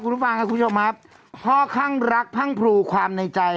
คุณฟังคร่ะผ้าคั่งรักพังผลุความในใจ